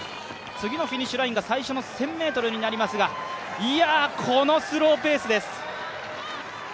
次のフィニッシュラインが最初の１０００ｍになりますが、このスローペースです。